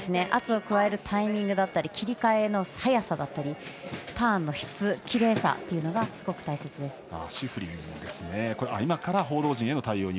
圧を加えるタイミングだったり切り替えの早さだったりターンの質、きれいさというのがすごく大切です。